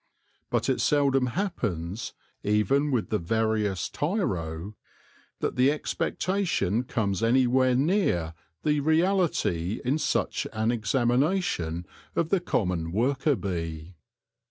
But it seldom happens, even with the veriest tiro, that the expectation comes anywhere near the reality in such an examination of the common worker bee.